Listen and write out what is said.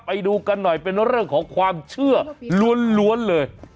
ไปดูกันหน่อยเป็นเรื่องของความเชื่อล้วนเลย